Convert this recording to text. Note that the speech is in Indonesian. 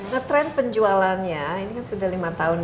ngetrend penjualannya ini kan sudah lima tahun ya